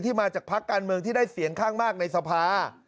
มาจากพักการเมืองที่ได้เสียงข้างมากในสภา